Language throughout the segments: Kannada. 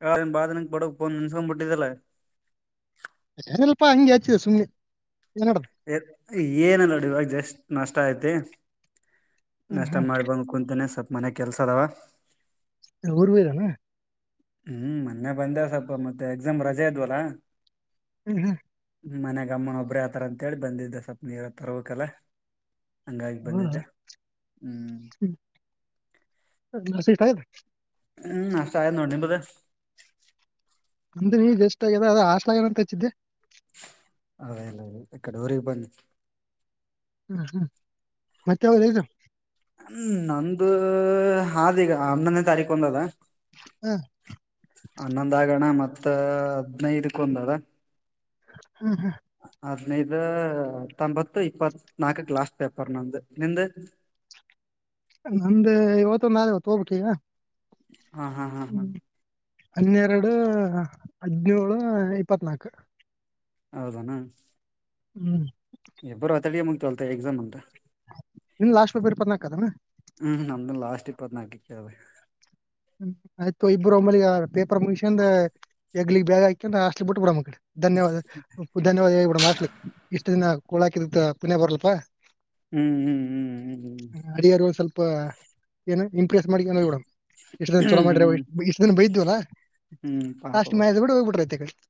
[unintelligible] ಬಾಳ ದಿನಕ್ ಬಡಕ್ನ್ ನನ್ಸ್ಕೊಂಡ ಬಿಟ್ಟಿದ್ದಲ್ಲ ಏನಿಲ್ಲ ಪಾ ಹಂಗೆ ಆಚ್ಚಿದೆ ಸುಮ್ನೆ ಏನಾಡದ ಏನ ನೋಡು ಈವಾಗ ಜಸ್ಟ್ ನಷ್ಟ ಐತಿ ಹ್ಮ್ ನಷ್ಟ ಮಾಡಿ ಬಂದ ಕುಂತೀನಿ ಮನೆ ಕೆಲ್ಸ ಅದಾವ ಊರಿಗೆ ಹೋಗಿದೇನ ಹ್ಮ್ ಮೊನ್ನೆ ಬಂದೆ ಸ್ವಲ್ಪ ಮತ್ತೆ ಎಕ್ಸಾಮ್ ರಜೆ ಇದ್ವಲ್ಲಾ ಹ್ಮ್ ಹ್ಮ್ ಮನ್ಯಾಗ ಅಮ್ಮನ ಒಬ್ರೇ ಆತರ ಅಂತೇಳಿ ಬಂದಿದ್ದ ಸ್ವಪ್ಪ ಏನಾದ್ರ ತರಬೇಕಲ್ಲ ಹೌದ ಹ್ಮ್ [inaudible] [unintelligible] ಹ್ಮ್ ನಷ್ಟ ಆಯ್ದ ನೋಡು ನಿಮ್ಮದು ಅಂದ್ರೆ ಈಗ ಜಸ್ಟ್ ಆಗ್ಯಾದ ಹಾಸ್ಟೆಲ್ ಆನ ಅಂತ ಹಚ್ಚಿದ್ದೆ ಅದೇಲ್ಲ ಇಕ್ಕಡೆ ಊರಿಗೆ ಬಂದಿದ್ದೆ ಹ್ಮ್ ಹ್ಮ್ ಮತ್ತೆ ಯಾವದ ಎಕ್ಸಾಮ್ ಹ ನಂದು ಆದೀಗ ಹನ್ನೊಂದು ತಾರೀಕು ಒಂದ ಅದ ಹನ್ನೊಂದು ಆಗಣ ಮತ್ತ ಮತ್ತ ಹದಿನೈದು ಕೊಂದು ಅದ ಹ್ಮ್ ಹದಿನೈದು ಹತೊಂಬತ್ತು ಇಪ್ಪತ್ ನಾಕಕ್ಕೆ ಲಾಸ್ಟ್ ಪೇಪರ್ ನಮ್ದ ನಿಂದ್ ನಂದ್ ಇವತ್ತು ನಾಳೆವತ್ತು ಒಂದು ಹೋಗ್ಬೇಕ ಈಗ [inaudible] ಹಾ ಹಾ ಹಾ ಹಾ ಹ್ಮ್ ಹನ್ನೆರಡು ಹದಿನೇಳು ಇಪತ್ತುನಾಲ್ಕು ಹೌದನಾ ಹ್ಮ್ ಇಬ್ರು ಒಟ್ಟಿಗೆ ಮುಗಿತ್ತಂತೆ ಎಕ್ಸಾಮ್ ನಮ್ದು ನಿನ್ ಲಾಸ್ಟ್ ಪೇಪರ್ ಇಪತ್ತುನಾಲ್ಕು ಅದನ ಇಪಾತ್ತ್ನಾಲ್ಕಕೆ ಹ್ಮ್. ಆಯ್ತು ಇಬ್ಬರು ಒಮ್ಮಳಲಿಗ ಪೇಪರ್ ಮುಗಸ್ಯಂದ ಹೆಗಲಿಗೆ ಬ್ಯಾಗ್ ಹಾಕಕೊಂದು ಹಾಸ್ಟೇಲು ಬಿಟ್ಟುಬಿಡೋಣ ಧನ್ಯವಾದ ಧನ್ಯವಾದ ಹೇಳ್ಬಿಡೋಣ ಹಾಸ್ಟೇಲಿಗೆ ಇಷ್ಟು ದಿನ ಕೂಳ ಹಾಕಿದ ಪುಣ್ಯಾ ಬರ್ಲಪ್ಪಾ ಹ್ಮ್ ಹ್ಮ್ ಹ್ಮ್ ಹ್ಮ್ ಹ್ಮ್ ಅಡಿಯರು ಒಂದ್ ಸ್ವಲ್ಪ ಏನು ಇಂಪ್ರೆಸ್ ಮಾಡಿಕೊಂಡು ಹೋಗಿಬಿದೋಡ್ನ್ ಚಲೋ ಮಾಡ್ರ ಹ್ಮ್ ಇಷ್ಟ ಬೈದ ಅಲ್ಲಾ ಹ್ಮ್ ಪಾಪವ ಲಾಸ್ಟಮ ಹೋಗ್ಬಿ [unintelligible]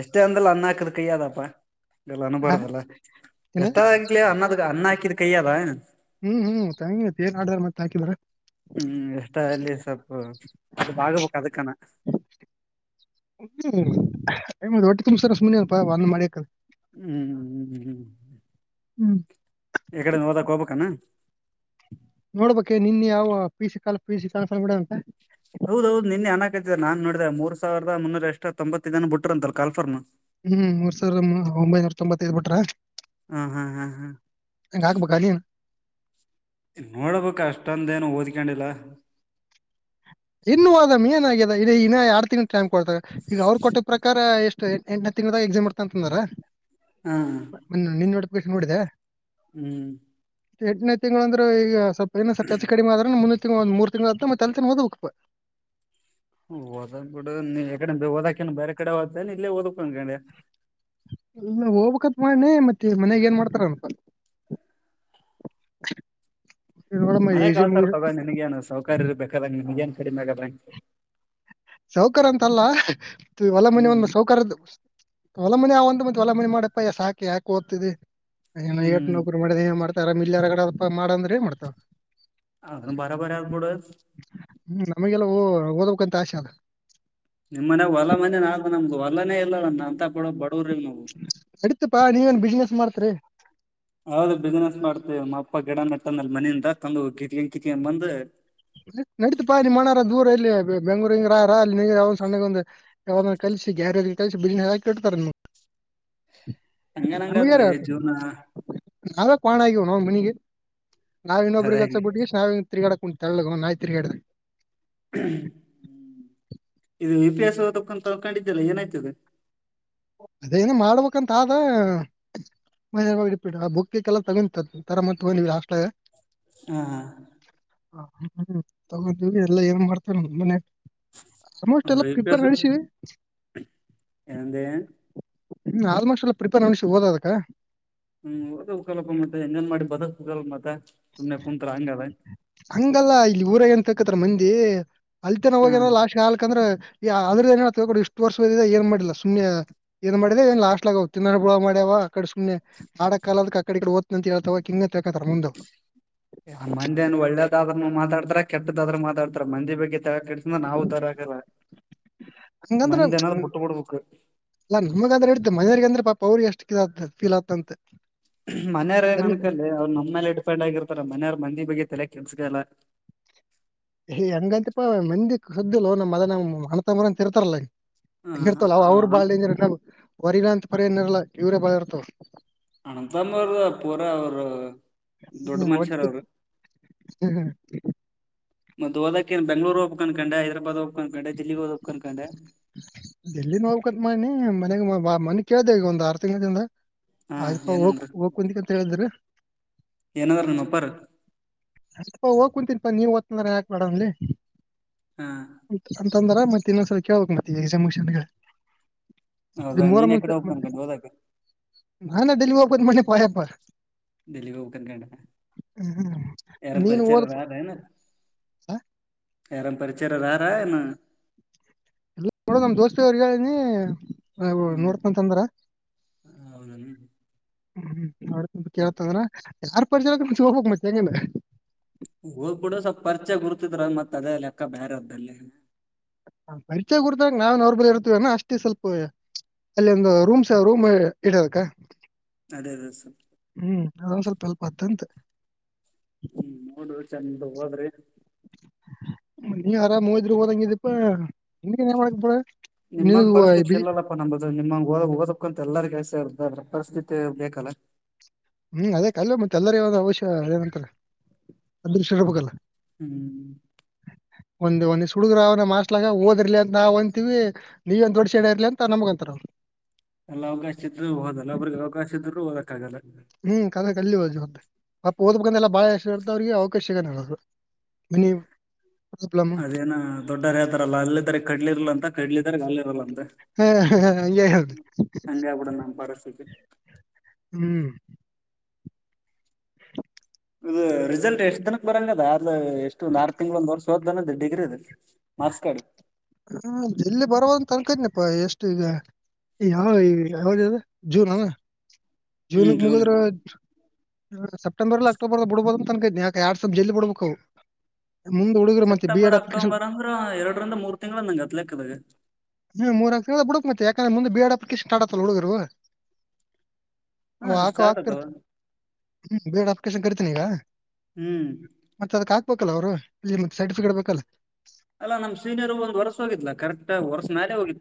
ಎಷ್ಟೇ ಅಂದಲ್ಲ ಅನ್ನ ಹಾಕದ್ ಕೈಯ್ಯದಪ್ಪ ಎಲ್ಲ ಅನ್ಬಾರದಲ್ಲಾ ಏನ ಎಷ್ಟ ಆಗ್ಲಿ ಅನ್ನದ ಅನ್ನ ಹಾಕಿದ ಕೈ ಅಲ್ಲಾ ಹ್ಮ್ ಹ್ಮ್ ತಂಗತಿ ಏನ್ ಆಡಾರ ಮತ್ತೆ ಹಾಕಿದಾರ ಎಷ್ಟ ಅಲ್ಲಿ ಸ್ವಲ್ಪ ಅದು ಆಗಬೇಕ್ ಅದಕ್ಕನ ಹ್ಮ ಹ ಹೊಟ್ಟೆ ತುಂಬಸದು ಸುಮ್ನೆ ಅಲ್ಲಪಾ ಒಂದ ಮಾಡಿಯಕ ಹ್ಮ್ ಹ್ಮ್ ಹ್ಮಹ್ಮ್ ಹ್ಮ್ ಎಕಡೆ ಓದಕ್ಕೆ ಹೋಗಬೇಕೇನು ನೋಡ್ಬೆ ನಿನ್ ಯಾವ ಪೀಸ ಕಾಲ ಪೀಸ ಕನ್ಸ್ ಬಿಡ ಅಂತ ಹೌದ ಹೌದು ನಿನ್ನೆನಕೈತ ನಾ ನೋಡಿದೆ ಮೂರ್ ಸಾವಿದ ಮುನ್ನೂರ ಎಷ್ಟ ತೊಂಬತ್ತೈ ಇದನ ಬುತ್ರ ಅಂತಲ್ ಕಾಫರ್ನ ಹ್ಮ್ ಮೂರ್ ಸಾವಿರ ಒಂಬೈನೂರ ತೊಂಬತ್ತೈದ್ ಬಿಟ್ರ ಹಾ ಹಾ ಹಾ ಹಾ ಹಂಗ ಹಾಕ್ಬೇಕಲ್ಲಿ ನೋಡ್ಬೇಕ ಅಷ್ಟೊಂದೇನು ಓದ್ಕೊಂಡಿಲ್ಲ ಇನ್ನು ಅದಾಮ್ ಏನ್ ಆಗಿದ ಇನ್ನ ಎರಡ್ ತಿಂಗ್ ಟೈಮ್ ಕೊಡ್ತಾಗ ಇಗ ಅವ್ರು ಕೊಟ್ಟ ಪ್ರಕಾರ ಎಷ್ಟು ಎಂಟನ ತಿಂಗದಾಗ ಎಕ್ಸಾಮ್ ಇಡ್ತ ಅಂತಂದಾರ ಹಾ ನಿನ್ನ ನೋಡ ಬಿಟ್ ನೋಡಿದ್ಯಾ ಹ್ಮ್ ಎಂಟನೇ ತಿಂಗಳುಗಳಂದ್ರೆ ಈಗ ಸ್ವಲ್ಪ್ ಈ ಸತಿ ಹೆಚ್ಚು ಕಡಿಮ ಆದ್ರೆ ಮುಂದ ಒಂದ [unintelligible] ತಿಂಗಳದ ಮತ್ತ ಅಲ್ಲಿ [unintelligible] ಹ [unintelligible] [unintelligible] ಹದ ಕೂಡ ನೀ [unintelligible] ಓದಕ್ಕೆನೋ ಬೇರೆ ಕಡೆ ಹೋಗ್ - [unintelligible] ಇಲ್ಲೇ ಓದಕ ಅಂಗಂಡ ಇಲ್ಲ ಹೋಗ್ಬೇಕತ್ ಮಾಡಿ ಮತ್ತೆ ಮನ್ಯಾಗ ಏನ್ ಮಾಡ್ತಾರನಪ ನೋಡಮ್ಮ ಮನೆ ಎಕ್ಸಾಮ್ [unintelligible] ತಗೊಂಡ ನಿನ್ಗ ಏನು ಸೌಕ ಕರಿ ಇರ್ಬೇಕದಂಗ ನಿಮಗ ಏನ್ ಕಡಿಮೆ ಆಗಾದಂ [unintelligible] ಸೌಕರ್ ಅಂತಲ್ಲ ಹೊಲ ಹ್ಮ್ ಮನೆಒಂದ [unintelligible] ಸೌಕಾರದ್ದು ಹೊಲಮನೆ ಅವಂತ ಮತ್ತೆ ಹೊಲ ಮನೆ ಮಾಡಪ್ಪಯ ಸಾಕ ಯಾಕೆಓದ್ತಿದೆ [unintelligible] ಹ್ಮ್ ನರು ಮಾಡಿದೆ ಮಾಡಿದ್ [unintelligible] ಮಲ್ಯರಗಡೆ ಮಾಡಂದ್ರೆ ಏನ್ ಮಾಡ್ತಾವ ಅದನ್ ಬರಬರಿ ಆದ್ ಬಿಡು ಹ್ಮ್ ನಮಗೆಲ್ಲ ಓ ಓದಕಂತ ಆಸೆ ಅಲ್ಲ ನಿಮ್ಮ್ ಮನೆ ಹೊಲ ಮನೆ ನಾ ನಮ್ಗ ಹೊಲನೇ ಇರೋಳಣ್ಣ [unintelligible] ಅಂತ ಬಡ ಬಡವ್ರಿಲ್ ನಾವು ಅಡಿತಪ್ಪಾ ನೀವೇನ್ ಬಿಸ್ನೆಸ್ ಮಾಡ್ತ ರಿ [unintelligible] ಹೌದ್ ಬಿಸ್ನೆಸ್ ಮಾಡ್ತೇವಿಮ್ಮ ಅಪ್ಪ ಗಿಡ ನೆಟ್ಟಂದ ಅಲ್ಲಿ ಮನಿಂದ ತಂದು [unintelligible] ಕಿತ್ಕೊಂಡ ಬಂದ್ ನಡಿತು ಪಾ ನಿ ಮನಾರ ದೂರ ಇಲ್ಲಿ ಬೆಂಗಳೂರು [unintelligible] ಅಲ್ಲಿ ನೀ ಯಾವ ಸಣ್ಣಗ್ ಒಂದಂದು ಅವನ್ನ ಕಲಸ ಗ್ಯಾರ [unintelligible] [unintelligible] ಕಟ್ಟ ತರ [unintelligible] ಜೀವನ ನಾವ ಕ್ವಾಣ ಆಗಿವಿ ಅವನೋನ ಮನಿಗಿ ನಾವು ಅದ ಇನ್ನೊಬ್ಬರಿಗೆ ಹಚ್ಚೋದು ಹಂಗೆ ಬಿಟ್ಟಿ [unintelligible] ನಾವಿಂಗ ತಿರಗ್ಯಾಡಕ ತೆಳ್ಳಗ ಅವ [unintelligible] ನಾಯಿ ತಿರುಗ್ಯಾಡಿದಂಗ [unintelligible] ಹ್ಮ ಇದು ಹಿತಿಯಾಸ ಓದಬೇಕು ಆನ್ಕಂಡಿದ್ದಲ್ಲ ಏನಾಯ್ತದ ಅದೇನ ಮಾಡ್ಬೇಕಂತ ಆದ ಮತ್ [unintelligible] ಆ ಬುಕಗಿಕ್ಕೆಲ್ಲ ತಗೊಂತ ತರಮನಂತಾ ತಗೊಂಡಿವ ಹಾಸ್ಟೆಲ್ಯಾಗ ಹಹ [unintelligible] ತಗೊಂಡ್ವಿ ಎಲ್ಲ ಏನ್ ಮಾಡ್ತೇನೆ ಮನ್ಯಾಗ ಹ [unintelligible] ರೀಪ [inaudible] ಎಂದ ಹ್ಮ್ ಆಲ್ಮೋಸ್ಟ್ ಅಲ್ ಪ್ರಿಪೇರ್ನಷ ಓದದಕ್ಕ ಹ್ಮ್ ಓಡ್ಬೇಕಲ್ಲಪ ಮತ್ತೆ ಎಂಗಾನಾ ಮಾಡಿ ಬದಕ್ [unintelligible] ಅಲ್ಲ ಪ ಮತ್ತೆ [inaudible] ಹಂಗಲ್ಲ ಇಲ್ಲಿ ಊರಗ ಎನ ತಿಲಕಳತಾರ ಮಂದಿ [unintelligible] ಹ ಅಲ್ತೆನ ಹೋಗ್ಯಾನರ ಹ್ಮ್ ಲಾಸ್ಟೀಗೆ ಹಾಗಲಿಕ್ಕಂದ್ರ [unintelligible] ಈ ಅ್ರದ ಏನೊಂಡ ಇಷ್ಟು ವರ್ಷದ ಏ ಮಾಡಿಲ್ಲ ಸುಮ್ಮನೆ ಏನ್ ಮಾಡಿದೆ ಏ ಲಾಸ್ಟ್ ಆಗ ತಿನ್ನಣ ಬುಳ ಮಾಡ್ಯವ ಅ ಕಡೆ ಸುಮ್ಮನೆ ಆಡಾ ಕಾಲದಕ್ಕೆ ಅ ಕಡೆಓದ್ತ ಅಂತ ಹೇಳ್ವ ಕಿಂಗ ತಕತಾರ ಮುಂದೆ [unintelligible] ಮಂದಿ ನು ಒಳ್ಳೇದಾದ್ರರುನು ಮಾತಾಡ್ತಾರ ಕೆಟ್ಟದಾದ್ರು ಮಾತಾಡ್ತಾರ ಮಂದಿ ಬಗ್ಗೆ ಕೆಡ್ಸ ನಾವು ಉ ತರ ಆಕಲ್ಲ ಹಂಗಂದ್ರ ಮಂದ ಏನಾದ ಪುಟ್ಟಬಡ್ಬೇಕಕ್ು ಪೌರಿ ಎಷ್ಟು ಕ ಆತ ಫೀಲ್ ಆಗ್ತಂತೆ ಮನೆಯವ್ರೇ ಅನ್ಕಲ್ಲಿ ಅವ್ರು ನಮ್ಮ್ೇಲೆ ಡಿಪೆಂಡ್ ಆಗಿರ್ತಾರ ಮನೆಯವ ಮಂದಿ ಬಗ್ಗೆ ತಲೆ ಕೆಲ್ಸಕಲ್ಲ ಏ್ ಹಂಗಂತಿಪಾ ಮಂದಿ ಸುದ್ದಿಲ್ಲ ನಮ್ಮ್ ಅದ ನ್ ಅಣತಂಬರ ಅಂತ ಇರ್ತಾರಲ್ಲ ಇರ್ತಲ್ಲ ಅವ್ರರು ಹ ಬಾಳಂಗ ನ ಹೊರಿಲ್ಲಾ ಅಂತ ಪರಿನ್ ಇರಲ್ಲಾ ಇವ್ರ ಬಾಳ ಇ ತ್ತು ಅನಂತಂಬ ಅವ್ರದ ಪೂರ ಅವರು ದೊಡ್ಡ ಮನುಷ್ಯರ ಅವರು ಹ್ಮ್ ಮದ್ಓದಕ ನ್ ಬೆಂಗ್ೂರು ಹಬ ಕಂಡ ಹೈದರಾಾದ್ ಹಬ್ ಕನ್ಕಂಡೆಲ್ಲಿ ಹಓದಕ್ ಎಲ್ಲಿನ್ ಹೋಗಕತ್ ಮಾಡಿ ಮನಯಾಗ ಮನ ಕ್ದೇಕಗ ಒಂದು ಆರ್ ತಿಂಗದಿಂದ ಹಾ ಆಯ್ಪಾ ಹೋಗ ಹೋಗ ಕುಂತಿಕಂತ ಹೇಳಿದ್ರ ಏನ ತಾರ್ಣೊಪ್ಪಾರ ಅಲ್ಪಾ ಹೋಗ್ ಕುಂತೀನ್ಪಾ ನೀವ ಓದ್ನ್ರ ಯಾಕ್ ಮಾಡಡ ಅಲ್ಲಿ ಹ್ಮ ಂದರ ಮತ್ತೆ ಇನ್ನೊಂದ್ಸ ಕೇಳ್ಬೇಕು ಮತ್ತ ಈ ಮುಷನ್ ಹೌದಾ ನೀನ್ ಯಕಡೆ ಹೋಗ್ನ್ ಕಂಡು ಹೋದಾಗ ನಾ ನ ದಡೆಲಿ ಒು ಮನೆ ಪೆಯಪ ದಲೀವ ಹೂಕನ್ ಕೊಂಡಣ ಹ್ಮ್ ಯಾರ ನೀನು ಪರಿಚಾರ ಓದಪ್ಪ ರತ ಯಾರ ಪರಿಚರದಾರಾ ಇನ್ನು ಲ್ಲ ನೋಡ ನಮ್ ದೋಸ್ತ ಅವ್ರಿಗೆ ಹೇಳನಿ ನಾಯಿಗಳ್ ಹ್ಮ್ ನೋಡ್ಕೊಂಡ್ ತಂದ್ರಾ ಹೌದೇನು [unintelligible] [unintelligible] ಕೇಳ್ತಂದ್ರ [unintelligible] ಹೋಗ್ಬಿಡು ಸ್ವಲ್ಪ ಪರಿಚಯ ಗುರ್ತಿದ್ರ ಮತ್ ಅದೇ ಲೆಕ್ಕ ಬೇರೆ ಅದ್ದಲ್ಲಿ [unintelligible] ಅದೇ ಅದೇ ಸರ್. ಹ್ಮ್ ಅದೊಂದ್ ಸ್ವಲ್ಪ ಹೆಲ್ಪ್ ಆತ್ ಅಂತ್. ಹ್ಮ್ ನೋಡುದ್ ಚಂದ ಓದ್ರಿ. [unintelligible] [unintelligible] ನಿನಗ [unintelligible] ಬಿ ಪರಿಸ್ಥಿತಿ ಬೇಕಲ್ಲ [unintelligible] ಅದೃಷ್ಟ ಇರಬೇಕಲ್ಲ ಹ್ಮ್ ಒಂದ್ ಒಂದ್ ಇಷ್ಟ್ ಹುಡುಗ್ರ್ ಅವ ನಮ್ ಹಾಸ್ಟ್ಲಾಗ ಓದರ್ಲೆ ಅಂತ ನಾವ್ ಅಂತೀವಿ ನೀವೇನ್ ದೊಡ್ ಶಾಣೆ ಅದ್ಲೇ ಅಂತ್ ನಮ್ಗಂತಾರ್ ಅವ್ರ್ ಇಬ್ರು ಓದಕ್ಕಾಗಲ್ಲ. [unintelligible] [unintelligible] [inaudible] ಅದೇನ ದೊಡ್ಡರ್ ಹೇಳ್ತಾರಲ್ಲ ಅಲ್ಲಾತರಿ ಕಟ್ ಹಲ್ಲಿರಲ್ಲಂತ್ ಕಡ್ಲಿ ಇದ್ದರಿಗೆ ಹಲ್ಲಿರಲ್ಲಂತ್ ಹಂಗೆ ಆಗ್ಬಿಟ್ಟದ [unintelligible] ನಮ್ ಪರಿಸ್ಥಿತಿ. ಹ್ಮ್ ಇದು ರಿಸಲ್ಟ್ ಎಷ್ಟ್ ದಿನ ಬರಂಗದಾ ಎಷ್ಟು ಒಂದ್ ಆರ್ ತಿಂಗ್ಳು ಒಂದ್ ವರ್ಷ್ [unintelligible] ಡಿಗ್ರಿದು ಮಾರ್ಕ್ಸ್ ಕಾರ್ಡ್ [unintelligible] ಜೂನ್ ಅನಾ ಹ್ಮ್ ಜೂನಿಗ್ ಮುಗ್ದ್ರೆ ದು [unintelligible] ಸೆಪ್ಟೆಂಬರ್ ಅಕ್ಟೋಬರ್ ಅಂದ್ರ ಎರ್ಡ್ರಿಂದ ಮೂರ್ ತಿಂಗಳ್ [unintelligible] ಯಾಕಿಷ್ಟ್ ಆಡತ್ತಲ್ ಹುಡುಗ್ರ್ ಅವ ಹಾ ಅವು ಹಾಕವ್ ಹಾಕ್ತಿರು ಅದಾವ [unintelligible] [unintelligible] ಹೂ ಒಪ್ಬೇಕ್ ಅಲ್ಲ ಅವರು ಇತ್ತ ಸರ್ಟಿಫಿಕೇಟ್ ಬೇಕಲ್ಲ. ಹೋಗ್ಲ ಕರೆಕ್ಟ್ ವರ್ಷ ಮ್ಯಾಲ ಹೋಗಿತ್ತು. [unintelligible]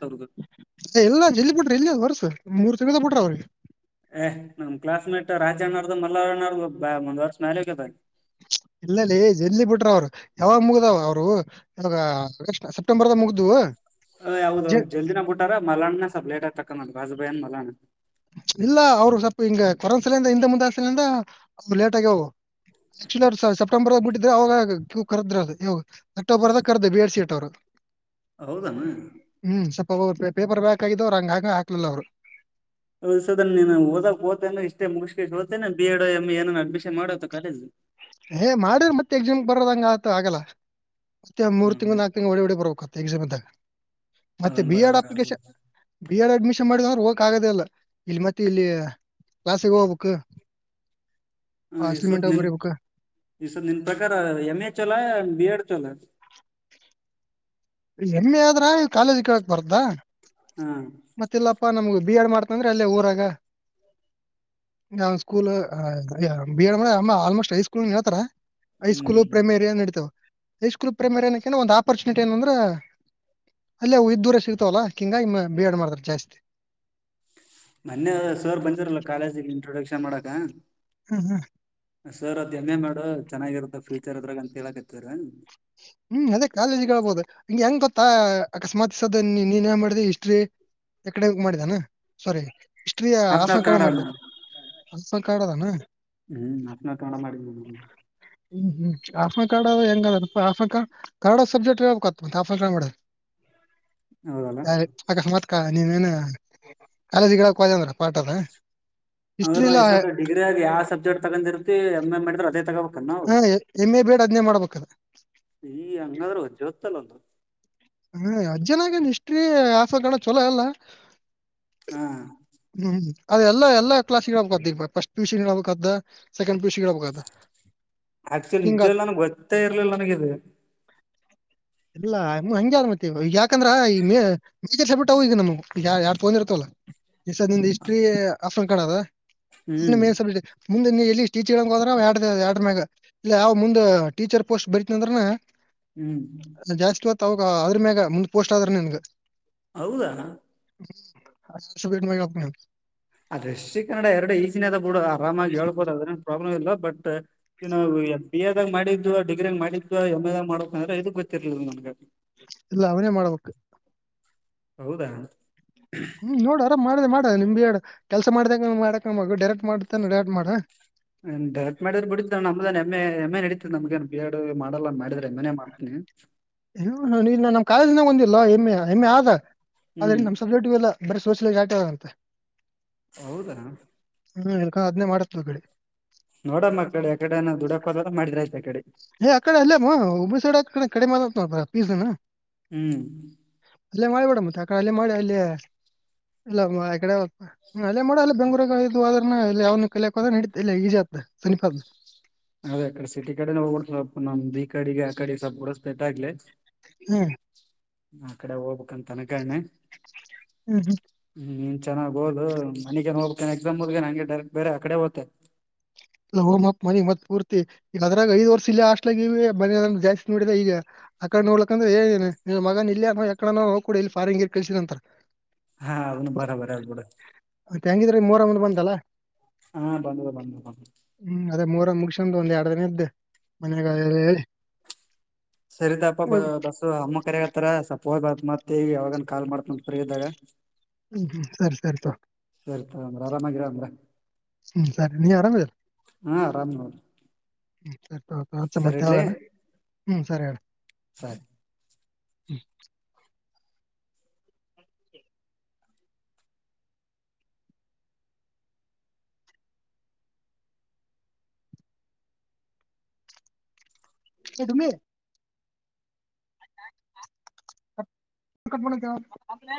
ಎಲ್ಲ ಜಲ್ಲಿ ಬಿಡ್ರಿ ಇಲ್ಲಿ ಹೊರ್ಸು. ಮೂರ್ ತಿಂಗಳದಾಗ ಬಿಟ್ರೆ ಅವ್ರಿಗೆ. ಏ ನಮ್ ಕ್ಲಾಸ್ ಮೇಟ್ ರಾಜನ. ಮಲ್ಲನಾ ಅವರದು ಒಂದು ವರ್ಷ ಮ್ಯಾಲ ಹೋಗ್ಯಾದ ಇಲ್ಲಲೆ ಜಲ್ದಿ ಬಿಟ್ರ ಅವ್ರು ಯಾವಾಗ ಮುಗ್ದಾವ ಅವ್ರು ಇವಾಗ ಆಗಸ್ಟ್ ಸೆಪ್ಟೆಂಬರ್ದಾಗ ಮುಗ್ದವು. ಹೇ ಹೌದ ಹೌದ ಜಲ್ದಿನೆ ಬಿಟ್ಟಾರ ಮಲಣನ ಸ್ವಲ್ಪ್ ಲೇಟ ಆಗಿ ತಕೊಂಡನ್ ಬನ್ ಮಲಣ. ಇಲ್ಲ ಅವ್ರು ಸ್ವಲ್ಪ ಹಿಂಗ ಕೊರನಾ ಸಲಿಂದ ಹಿಂದ ಮುಂದಾ ಹಚ್ತೇನಂದ ಲೇಟ್ ಆಗ್ಯಾವ ಅವು ಆಕ್ಚಲಿ ಅವ್ ಸಪ್ಟೆಂಬರ್ ದಾಗ ಬಿಟ್ಟಿದ್ರ ಅವಾಗ ಕರದ್ರ ಅದು ಇವ ಅಕ್ಟೋಬರ್ ಕರೆದ ಬಿ ಎರ್ ಸಿ ಇಟ್ಟವರು ಅವರು. ಹೌದೇನ ಒಬ್ರು ಒಬ್ರು ಪೇಪರ್ ಬ್ಯಾಕ್ ಆಗಿದ್ದ ಅವ್ರು ಹಂಗ ಹಾಕ್ ಅಂದ್ರ ಹಾಕಲಿಲ್ಲ ಅವ್ರು. ಹೌದ ಈಸದ ನೀ ಓದಕ್ ಹೋಗ್ತೇನೆ ಇಷ್ಟೇ ಮುಗ್ಸಿ ಕೇಸ್ ಹೋಗ್ತೇನೆ ಬಿ ಎಡ್ ಎಂ ಎ ಏನ ಅಡ್ಮಿಷನ್ ಮಾಡ ಕಾಲೇಜ್. ಏ ಮಾಡ ಮತ್ತತ್ ಎಕ್ಸಾಮ್ ಬರದಂಗ ಆಗ್ತದ ಆತ ಆಗಲ್ಲ. ಮತ್ತೆ ಮೂರು ಹ್ಮ್ ತಿಂಗಳು ನಾಲ್ಕು ತಿಂಗಳು ಓಡಿ ಓಡಿ ಬರಬೇಕು ಎಕ್ಸಾಮ್ ಇದಾಗ [unintelligible] ಮತ್ತೆ ಅದನ್ನ ಬಿ ಎಡ್ ಬರಾಬರ್ ಅಪ್ಲಿಕೇಶನ್ ಬಿ ಎಡ್ ಅಡ್ಮಿಷನ್ ಮಾಡ. ಹೋಗಕ ಆಗದ ಅಲ್ಲ ಇಲ್ಲಿ ಮತ್ತೆ ಇಲ್ಲಿ ಕ್ಲಾಸಿಗ್ ಹೋಗ್ಬೇಕಾ ಅಸೈನ್ ಮೆಂಟ್ ಬರಿಬೇಕ ಈ ಸರ್ ನಿನ್ ಪ್ರಕಾರ ಎಮ್ ಎ ಚಲೋ ಬಿ ಎಡ್ ಚಲೋ [inaudible] ಎಂ ಎ ಆದ್ರ ಆ [unintelligible] ಕಾಲೇಜ್ ಕೇಳಕ್ ಬರ್ದಾ ಹಾ ಮತ್ತೆ ಇಲ್ಲಪ್ಪಾ ನಮಗ ಬಿ ಎಡ್ ಮಾಡ್ತ ಅಂದ್ರೆ ಅಲ್ಲೇ ವು ಊರಾಗ ಆ ಸ್ಕೂಲ್ ಅಮ್ಮ ಆಲ್ಮೋಸ್ಟ್ ಐ ಸ್ಕೂಲ್ ಹೇಳ್ತಾರ [unintelligible] ಹೈಸ್ಕೂಲ್ ಹ್ಮ್ ಪ್ರೈಮೇರಿಯ ನಡೀತಾವ ಹೈಸ್ಕೂಲ್ ಪ್ರೈಮೇರಿಯ ಒಂದು ಆಪರ್ಚು ಏನ ಅಂದ್ರೆ ಅಲ್ಲಿೇ ಇದ್ದೂರ ಸಿಗ್ತಾವಲ್ಲಾ ಕಿಂಗಾಗಿ ಇಮ್ಮ ಬಿ ಎಡ್ ಮಾಡ್ತಾರ ಜಾಸ್ತಿ ಮನ್ನೆ ಸರ್ ಬಂದಿರಲ್ಲ ಕಾಲೇಜಿಗೆ ಇಂಟ್ರೊಡಕ್ಷನ್ ಮಾಡಕ್ ಹ [inaudible] ಹಾ ಹಾ ಸರ್ ಅದ್ ಎಮ್ ಎ ಮಾಡ ಚೆನ್ನಾಗಿರುತ್ತೆ ಫ್ಯೂಚರ್ ಇದ್ರಾಗ ಅಂತ ಹೇಳಾಕತ್ತೀರ ಹೂ ಅದೇ ಕಾಲೇಜ್ ಹೇಳ್ಬಹುದು ಹಿಂಗಗೆ ಹೆಂಗ್ ಗೊತ್ತಾ ಅಕಸ್ಮಾತ್ದ ಈ ಸದ್ ನೀನ್ ನೆನ್ನ ಮಾಡಿದೆ ಹಿಸ್ಟ್ರಿ ಎಕಾಡೆಮಿಕ್ ಮಾಡಿದ್ದೇನ ಸಾರಿ ಹಿಸ್ಟರಿ ಆಸನ ಕಾಲೇಜು ಕನ್ನಡಾ ಮಾಡಿದೆ ಸ್ವಲ್ ಕ ಆಡದಾನ [unintelligible] ಹ್ಮ್ ಕನ್ನಡಾ ಮಾಡಿದ್ನಿ ನಾನು, ಹ್ಮ್ ಹ್ಮ್ ಆತ್್ಮ ಕಾರ್ಡ ಹೆಂಗ [unintelligible] ಪ [unintelligible] ಕರಡ ಸಬ್ಜೆಕ್ಟ್ರಾಫ ಕ ಮಾಡೆ [unintelligible] ಹೌದಲ್ಲಾ ಯ ಅಕಸ್ಮತ್ [unintelligible] ನೀವೇನ ಕಾಲೇಜ್ಕ್ ವ ಅಂದ್ರ ಪಾಠದ ಅಂದ್ರ ಡಿಗ್ರ ಆಗ ಯಾವ ಸಬ್ಜೆಕ್ಟ್ ತಗೊಂಡಿರ್ತಿ ಎ [unintelligible] ಎ ಮಾಡಿದ್ರ [inaudible] ಕನ್ನಾವ ಹಾ ಎಮ್ ಎ ಬೇಡ್ ಅದ್ನೇ ಮಾಡ್ಬೇಕದ ಈ ಹಂಗಾದ್ರೂಚ್ಚಿ ಗತ್ತಲ್ಲ ಒಂದು [unintelligible] ಹ್ಮ ಅಜ್ಜನಾಗೇನ್ ಇಷ್ಟ್ರೀ ಆಸ ಕಣ ಚೊಲೋ ಎಲ್ಲ ಹಾ ಹ್ಮ್ ಅದೆಲ್ಲ ಎಲ್ಲ ಕ್ಲಾಸ್ ಹಬೇಕದ ಫಸ್ಟ ಪಿಯುಸಿ ಮ್ಮೆಲಕ್ ಮಾಡ್ದೆ ಆಕ್ಚುಲಿ ಹಿಂಗ ನಿಜವಾಗಲೂ ನನಗೆ ಗೊತ್ತೇ ಇರ್ಲಿಲ್ಲ ನಂಗ್ ಗೊತ್ತೇ ಇರ್ಲಿಲ್ಲ ಇದು ಇಲ್ಲ [unintelligible] ಹ್ಮ್ ಮೇನ್ಸ [unintelligible] ಮುಂದೆ ನೀ ಎಲ್ಲಿ ಟೀಚರ್ಂಗ ಹೋದ್ರೆಡ ಆಡ್ಮ್ಯಾಗ ಇಲ್ಲ ಅವ್ ಮುಂದ ಟೀಚರ್ ಪೋಸ್ಟ್ ಬರಿತ ಅಂದ್ರ ಹ್ಮ್ ತಾವಗ ಅದ್ರ ಮ್ಯಾಗ ಮುಂದ್ ಪೋಸ್ಟ್ ಆದ್ರ ನನ್ಗ ಹೌದಾ ಅ ಸೇಟ್ ಮ [unintelligible] ಅದ್ರೆ ಶ್ರೀ ಕನ್ನಡ ಎರಡುನು ಈಜಿನೆ ಇದೆ ಬಿಡು, ಆರಾಮಾಗಿ ಹೇಳ್ಬೋದ ಅದನೆ ಪ್ರಾಬ್ಲಮ್ ಇಲ್ಲ ಬಟ್, [unintelligible] ಎಫ್ ಬಿ ಎ ದಾಗ ಮಾಡಿದ್ವ ಡಿಗ್ರಿ ಮಾಡಿದ್ವ ಎಮ್ ಎ ದಾಗ ಮಾಡ ಅಂದ್ರೆ ಇದಕ್ ಗೊತ್ತಿರ್ಲಿಲ್ಲ ನನ್ಗ. ಇಲ್ಲ ಅವನೇ ಮಾಡ್ಬೇಕು. ಹೌದಾ ಹ್ಮ್ ನೋಡರ. ಮಾಡದ ಮಾಡ ನಿಮ್ ದೇನು ಕೆಲಸ ಮಾಡ್ದಂಗೆ ಮಾಡಕ್ ಡೈರೆಕ್ಟ್ ಮಾಡತ ಡರೆಕ್ಟ್ ಮಾಡ. [unintelligible] ಬಿಡ ನಮ್ದ ಎಮ್ ಎ ಎಮ್ ಎ ನಡೀತತ್ ನಮ್ಗೇನ್ ಬಿ ಎಡ್ ಮಾಡಲ್ಲ, ಮಾಡಿದ್ರೆ ಎಮ್ ಎ [unintelligible] ನೆ ಮಾಡ್ತೀನಿ. ಇ ನ ನಮ್ ಕಾಲೇಜ್ನಾಗ ಒಂದಿಲ್ಲ ಹೆಮ್ಮೆ ಹೆಮ್ಮೆ ಆದ. ಹ್ಮ್ ಅದ್ರಲ್ಲಿ ನಮ್ ಸಬ್ಜೆಕ್ಟ ಇಲ್ಲ ಬರ ಸೋಸಿಲಾಲಾಜಿ ಅಟೆ ಆದಂತೆ. ಹೌದಾ. ಹ್ಮ್ ಎಕ ಅದನ್ನೇ ಮಾಡಕ್ಕೆ ಹೇಳ್ದೆ ರಿ. ನೋಡಮ್ಮ ಅ ಕಡೆ ಯಕಡೆನ ದುಡಕೋಲಾರ ಮಾಡಿದ್ರ ಆಯ್ತಾಕಡೆ. ಏ ಕಡೆ ಅಲ್ಲೇಮ್ಮ ಒಬ್ಬ ಸೈಡ್ಡೆ ಕಡೆ ಮಾಡ ಪೀಸನ. ಹ್ಮ್ ಅಲ್ಲೇ ಮಾಡಿಬೇಡ ಮತ್ತೆ ಆಡೆ ಅಲ್ಲೇ ಮಾಡಿ ಅಲ್ಲೇ ಇಲ್ಲಡೆ ಅಲ್ಲೇ ಮಾಡ ಅಲ್ಲ ಬೆಂಗಗಳೂದ್ರ ಯ ಕಲಿಯಕ್ದ್ರಡ ಇ ಈಜಿ ಆತ ಸಮೀಪ. ಅದೇ ಕಡೆ ಸಿಟಿ ಕಡೆ ನ ಸ್ವಪ್ ನಮ್ ಬಿ ಕಡೆ ಆ ಕಡೆ ಸ್ವಪ ಕೂಡ ಸ್ಪೆಟ್ ಆಗ್ಲಿ. ಹ್ಮ್ ಆ ಕಡೆ ಹೋಗ್ಬೇಕ ಅಂತ ಅನ್ಕೊಂಡಿನಿ. ಹ್ಮ್ ಹ್ಮ್ ಹ್ಮ್ ನೀನ್ ಚೆನ್ನ್ ಒದು ಮನಗೇನ್ ಹೋಗ್ತೇ ಎಕ್ಸಾಮ್ ಮುಗ್ದನೇ ಹಂಗೆ ಡೈರೆಕ್ಟ್ ಬೇರೆ ಆ ಕಡೆ ಹೋಗಕ್ಕೆ. ಓ ಮನಗ್ ಮತ್ ಪೂರ್ತಿ ಈ ಅದ್ರಾಗ ಐದು ವರ್ಷ ಇಲ್ಲೇ ಹಾಸ್ಟೆಲ್ ಅಲ್ಲೇ ಇವಿ ಜಾಸ್ತಿ ನೋಡಿದ ಇಲ್ಲ ಆಕಡೆ ನೋಡ್ಲಕ್ಕ ಅಂದ್ರೆ ಮಗನ್ ಇಲ್ಲಯ ಯಡ ನೋಗ ಕೊಡಿ ಇಲ್ಲಿ ಫಾರ್ಂಗಿರ್ ಕಲ್ಸಿದಂತ ಹಾ ಅದ ಬರಬರ ಆಯ್ತ್ ಬಿಡು. ಮೂರ ಮುಂದ್ ಬಂದಲ್ಲಾ. ಹಾ ಬಂದುದು ಬಂದ. ಹ್ಮ್ ಅದೇ ಮೂ ಮುಗಿಸ್ಕೊಂಡು ಒಂದ್ ಎರಡು ದಿನ ಇದ್ ಮನೆಲ್ಲಿ ಎಲ್ಲ ಹೇಳಿ. ಸರಿ ತಗೋಪ್ಪಾ ಹೋಗ್ ಬಸ್ಸ ಅಮ್ಮ ಕರೆಗತ್ತಾರ ಸ್ವಲ್ಪ್ ಹೋಗ್ ಬಾ ಮತ್ತೇವಿ ಯಾವಾಗನ್ ಕಾಲ್ ಮಾಡ್ತೀನಿ ಯಾವಾಗಾರ ಫ್ರೀ ಇದಾಗ. ಹ್ಮ್ ಹ್ಮ್ ಸರಿ ಸರಿ ತಗೋ [inaudible] ಸರಿ ತಗೋ ಅಂದ್ರ ಆರಾಮಾಗಿರ ಅಂದ್ರ ಹ್ಮ್ ಸರಿ ನೀ ಆರಾಮಾ. ಹಾ ಆರಾಮ್ ನೋಡ್ ಹ್ಮ್ ಸರಿ ಹಚ್ಚು ಸರಿ ಇಡ್ಲಿ ಮತ್ತೇಯಾವಾಗಾನ ಹ್ಮ್ ಸರಿ ಇಡು ಸರಿ ಹ್ಮ್ ಹೇಯ್ ಡುಮ್ಮಿ [unintelligible]